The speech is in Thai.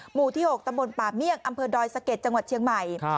หมู่ที่๖ตำบลป่าเมี่ยงอำเภอดอยสะเก็ดจังหวัดเชียงใหม่